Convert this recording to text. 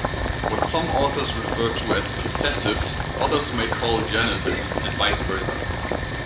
What some authors refer to as "possessives", others may call "genitives", and vice versa.